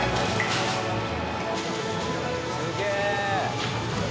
すげえ！